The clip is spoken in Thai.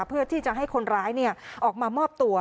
เพื่อที่จะให้คนร้ายออกมามอบตัว